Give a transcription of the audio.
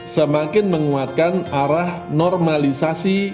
semakin menguatkan arah normalisasi